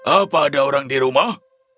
apa ada orang di rumah